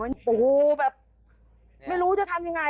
โอ้โหแบบไม่รู้จะทำยังไง